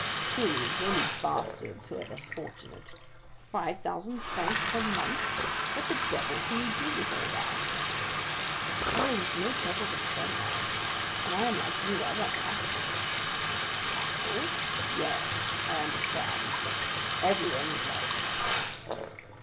Truly, it is only bastards who are thus fortunate. Five thousand francs per month! What the devil can you do with all that?" "Oh, it is no trouble to spend that; and I am like you, I want capital." "Capital?—yes—I understand—everyone would like capital."